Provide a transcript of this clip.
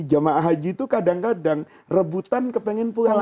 jamaah haji itu kadang kadang rebutan kepengen pulang